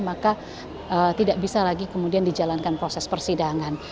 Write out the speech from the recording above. maka tidak bisa lagi kemudian dijalankan proses persidangan